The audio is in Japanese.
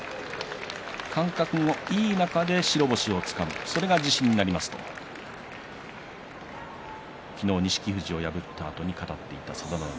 感覚のいい中で白星をつかんでそれが自信になりますと昨日、錦富士を破ったあとに語っていた佐田の海